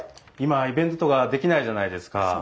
今イベントとかできないじゃないですか。